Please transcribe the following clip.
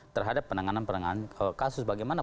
terhadap penanganan penanganan kasus bagaimana